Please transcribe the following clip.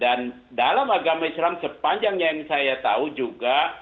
dan dalam agama islam sepanjang yang saya tahu juga